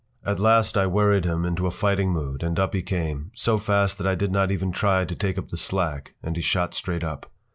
At last I worried him into a fighting mood, and up he came, so fast that I did not even try to take up the slack, and he shot straight up.